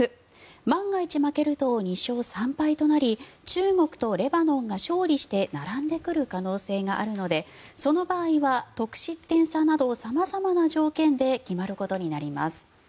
万が一負けると２勝３敗となり中国とレバノンが勝利して並んでくる可能性があるのでその場合は得失点差など様々な条件で決まることになります。